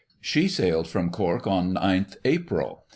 She sailed from Cork on 9th April.